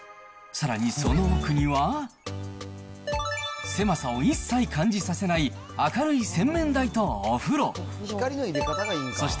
さらにその奥には、狭さを一切感じさせない、明るい洗面台とお風呂。